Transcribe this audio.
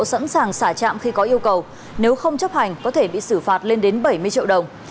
sẵn sàng xả trạm khi có yêu cầu nếu không chấp hành có thể bị xử phạt lên đến bảy mươi triệu đồng